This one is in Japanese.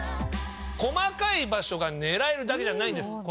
細かい場所が狙えるだけじゃないんです。